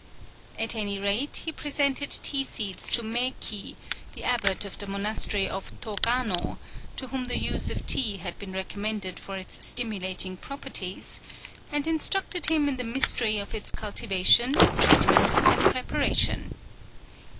At any rate, he presented tea seeds to Mei ki, the abbot of the monastery of To gano (to whom the use of tea had been recommended for its stimulating properties), and instructed him in the mystery of its cultivation, treatment, and preparation.